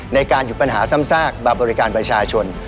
ในการหยุดปัญหาซ้ำซากมาบริการประชาชน